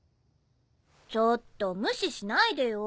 ちょっと無視しないでよ